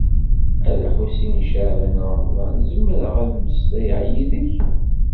A Lḥusin n Caɛban u Ṛemḍan, zemreɣ ad mmeslayeɣ yid-k?